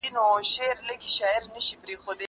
دا مرسته له هغه مهمه ده؟!